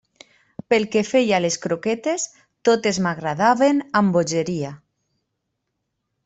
Pel que feia a les croquetes, totes m'agradaven amb bogeria.